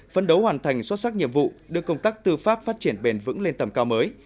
phân đấu hoàn thành xuất sắc nhiệm vụ đưa công tác tư pháp phát triển bền vững lên tầm cao mới